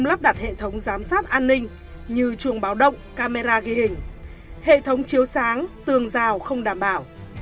lắp đặt hệ thống giám sát an ninh như chuồng báo động camera ghi hình hệ thống chiếu sáng tường rào không đảm bảo